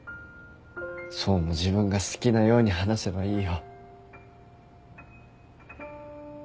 想も自分が好きなように話せばいいよ。